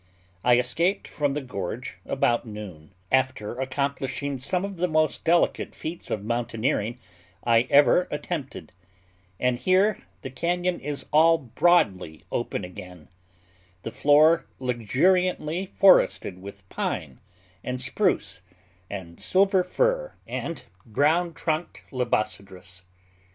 I escaped from the gorge about noon, after accomplishing some of the most delicate feats of mountaineering I ever attempted; and here the cañon is all broadly open again—the floor luxuriantly forested with pine, and spruce, and silver fir, and brown trunked libocedrus.